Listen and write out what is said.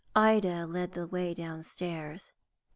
Ida led the way downstairs.